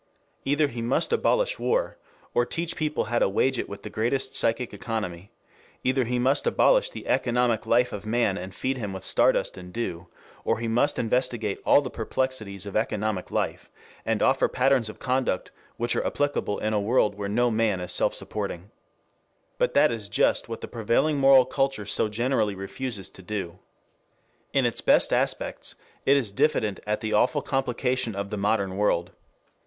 Either he must abolish war, or teach people how to wage it with the greatest psychic economy; either he must abolish the economic life of man and feed him with stardust and dew, or he must investigate all the perplexities of economic life and offer patterns of conduct which are applicable in a world where no man is self supporting. But that is just what the prevailing moral culture so generally refuses to do. In its best aspects it is diffident at the awful complication of the modern world.